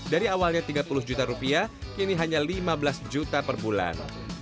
dari awalnya tiga puluh juta rupiah kini hanya lima belas juta per bulan